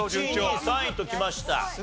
１位２位３位ときました。